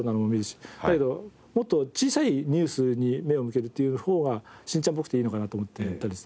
だけどもっと小さいニュースに目を向けるっていう方が『しんちゃん』っぽくていいのかなと思って見たりするんです。